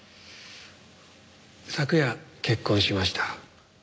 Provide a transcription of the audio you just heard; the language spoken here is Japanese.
昨夜結婚しました。